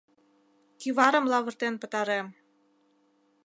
Кӱварым лавыртен пытарем.